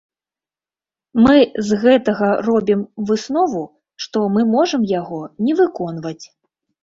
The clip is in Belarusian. Мы з гэтага робім выснову, што мы можам яго не выконваць.